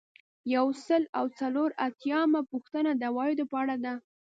یو سل او څلور اتیایمه پوښتنه د عوایدو په اړه ده.